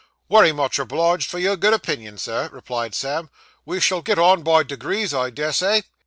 'Wery much obliged for your good opinion, sir,' replied Sam. 'We shall get on by degrees, I des say.